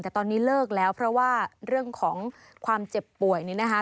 แต่ตอนนี้เลิกแล้วเพราะว่าเรื่องของความเจ็บป่วยนี่นะคะ